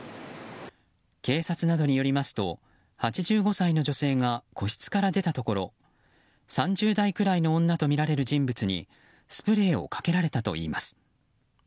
警察などによりますと８５歳の女性が個室から出たところ３０代くらいの女とみられる人物にスプレーをかけられたといいます。